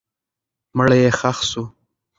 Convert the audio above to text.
مړی یې ښخ سو.